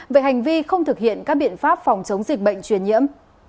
về hành vi không thực hiện các biện pháp phòng chống dịch bệnh truyền nhiễm